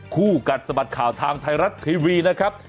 คู่กัดสะบัดข่าวทางไทยรัฐทีวีนะครับ